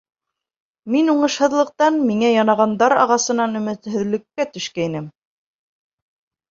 Мин уңышһыҙлыҡтан, миңә янаған дар ағасынан өмөтһөҙлөккә төшкәйнем.